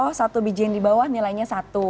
oh satu biji yang dibawah nilainya satu